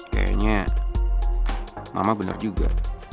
kayaknya mama bener juga